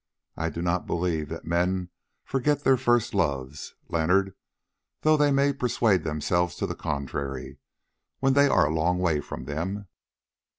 I do not believe that men forget their first loves, Leonard, though they may persuade themselves to the contrary—when they are a long way from them."